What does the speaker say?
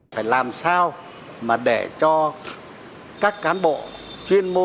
phải làm sao mà để cho các cán bộ chuyên môn